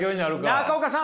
中岡さん